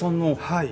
はい。